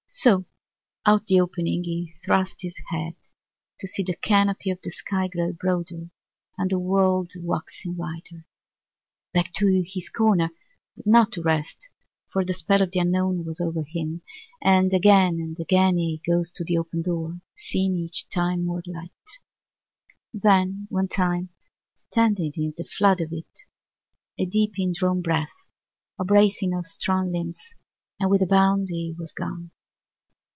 So out the opening he thrust his head, to see the canopy of the sky grow broader, and the world waxing wider. Back to his corner but not to rest, for the spell of the Unknown was over him, and again and again he goes to the open door, seeing each time more Light. Then one time standing in the flood of it; a deep in drawn breath â a bracing of strong limbs, and with a bound he was gone.